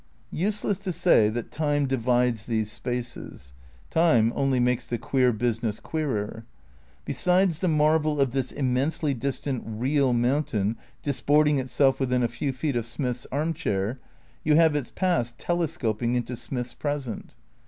Useless to say that time divides these spaces. Time only makes the queer business queerer. Besides the marvel of this immensely distant "real" mountain disporting itself within a few feet of Smith's armchair, you have its past telescoping into Smith's present.